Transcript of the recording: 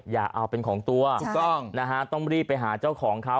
อย่าเอาเป็นของตัวต้องรีบไปหาเจ้าของเขา